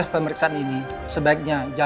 kamu harus percaya ya